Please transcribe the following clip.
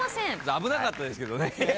危なかったですけどね。